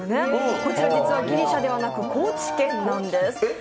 こちら実はギリシャではなく高知県なんです。